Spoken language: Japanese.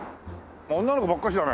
女の子ばっかしだね。